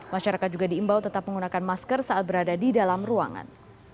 masyarakat juga diimbau tetap menggunakan masker saat berada di dalam ruangan